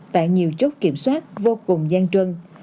tại nhiều chốt kiểm soát vô cùng gian trân